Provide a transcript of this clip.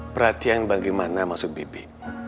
perhatian bagaimana maksud bibi